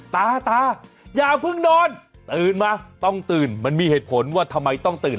ตาตาอย่าเพิ่งนอนตื่นมาต้องตื่นมันมีเหตุผลว่าทำไมต้องตื่น